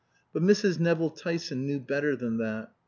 But Mrs. Nevill Tyson knew better than that.